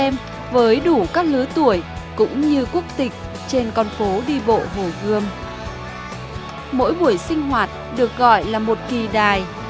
mỗi buổi sinh hoạt được gọi là một kỳ đài